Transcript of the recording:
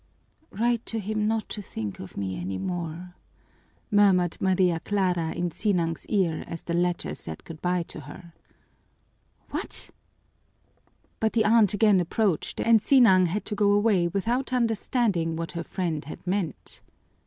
"Write to him not to think of me any more," murmured Maria Clara in Sinang's ear as the latter said good by to her. "What?" But the aunt again approached, and Sinang had to go away without understanding what her friend had meant.